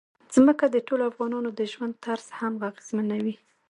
ځمکه د ټولو افغانانو د ژوند طرز هم اغېزمنوي.